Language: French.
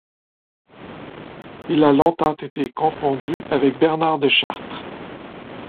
Il a longtemps été confondu avec Bernard de Chartres.